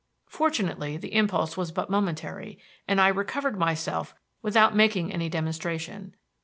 Fortunately the impulse was but momentary, and I recovered myself without making any demonstration.